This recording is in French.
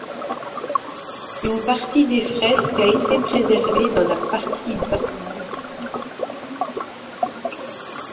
Une partie des fresques a été préservée dans la partie basse des murs.